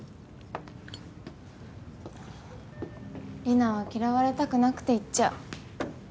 リナは嫌われたくなくて行っちゃう。